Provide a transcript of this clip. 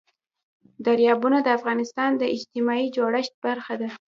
دریابونه د افغانستان د اجتماعي جوړښت برخه ده.